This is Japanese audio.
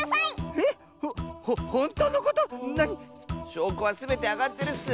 しょうこはすべてあがってるッス！